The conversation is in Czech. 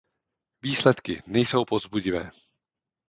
Výsledky nejsou povzbudivé.